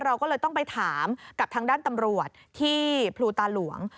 เราก็เลยต้องไปถามกับทางด้านตำรวจที่ภูตาหลวง